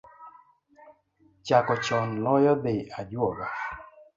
Chako chon loyo dhi ajuoga